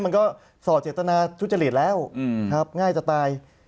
มันก็ส่อเจตนาทุจริตแล้วง่ายจะตาย